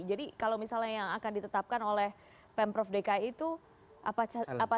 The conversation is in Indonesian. jadi kalau misalnya yang akan ditetapkan oleh pemprov dki itu apa saja sebenarnya